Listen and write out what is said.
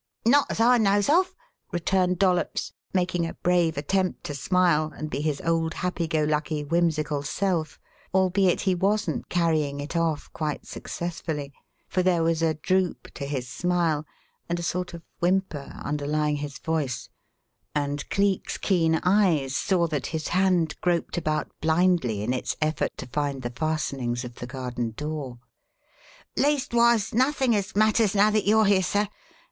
"Not as I knows of," returned Dollops, making a brave attempt to smile and be his old happy go lucky, whimsical self, albeit he wasn't carrying it off quite successfully, for there was a droop to his smile and a sort of whimper underlying his voice, and Cleek's keen eyes saw that his hand groped about blindly in its effort to find the fastenings of the garden door. "Leastwise, nothing as matters now that you are here, sir.